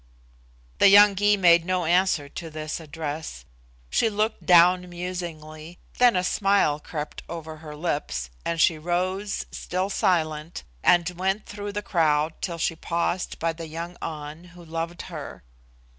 The young Gy made no answer to this address. She looked down musingly, then a smile crept over her lips, and she rose, still silent, and went through the crowd till she paused by the young An who loved her.